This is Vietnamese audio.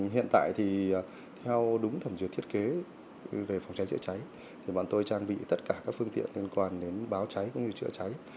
hiện tại thì theo đúng thẩm duyệt thiết kế về phòng cháy chữa cháy thì bọn tôi trang bị tất cả các phương tiện liên quan đến báo cháy cũng như chữa cháy